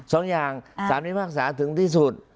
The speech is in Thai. สองอย่างสามวิธีภาคศาสตร์ถึงที่สุด